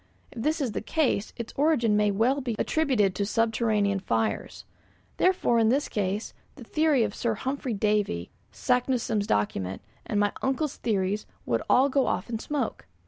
If this is the case, its origin may well be attributed to subterranean fires. Therefore, in this case, the theory of Sir Humphry Davy, Saknussemm's document, and my uncle's theories would all go off in smoke.